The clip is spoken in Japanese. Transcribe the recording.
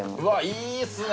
いいっすね！